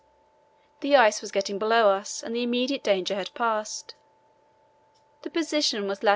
The ice was getting below us and the immediate danger had passed. The position was lat.